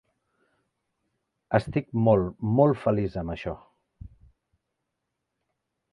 Estic molt, molt feliç amb això.